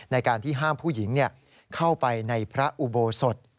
ในการที่ห้ามผู้หญิงเข้าไปในพระอุโบสถ